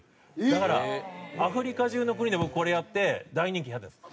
だからアフリカ中の国で僕これやって大人気になったんです。